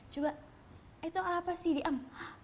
coba itu apa sih diam